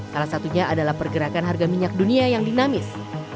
salah satunya adalah pergerakan harga minyak dunia yang dinamis